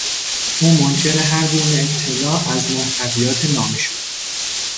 او منکر هر گونه اطلاع از محتویات نامه شد.